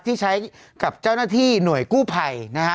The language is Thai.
ที่ใช้กับเจ้าหน้าที่หน่วยกู้ภัยนะฮะ